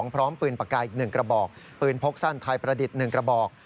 พร้อมปืนปากกาอีก๑กระบอกปืนพกสั้นไทยประดิษฐ์๑กระบอก